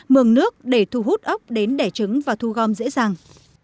mương nước để thu hút ốc đến đẻ trứng và thu gom dễ dàng